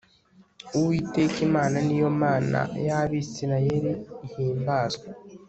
uwiteka imana, niyo mana y'abisirayeli, ihimbazwe